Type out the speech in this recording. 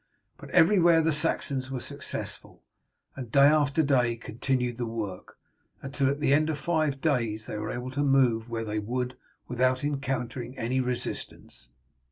But everywhere the Saxons were successful, and day after day continued the work, until at the end of five days they were able to move where they would without encountering any resistance.